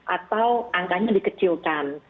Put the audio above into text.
atau angkanya dikecilkan